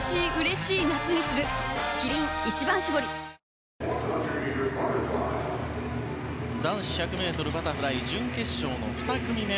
ニトリ男子１００ｍバタフライ準決勝の２組目。